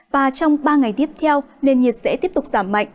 và trong ba ngày tiếp theo nền nhiệt sẽ tiếp tục giảm mạnh